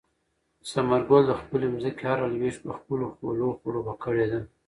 ثمر ګل د خپلې ځمکې هره لوېشت په خپلو خولو خړوبه کړې ده.